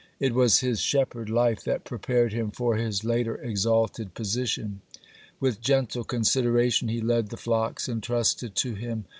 (13) It was his shepherd life that prepared him for his later exalted position. With gentle consideration he led the flocks entrusted to him.